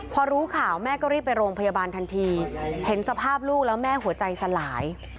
พอรู้ข่าวแม่ก็รีบไปโรงพยาบาลทันทีเห็นสภาพลูกแล้วแม่หัวใจสลาย